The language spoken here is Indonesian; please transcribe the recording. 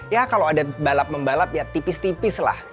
ya kalau ada balap membalap ya tipis tipislah